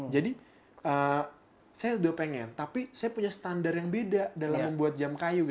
jadi saya sudah ingin tapi saya punya standar yang beda dalam membuat jam kayu